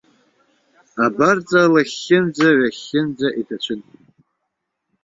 Абарҵа лахьхьынӡа-ҩахьхьынӡа иҭацәын.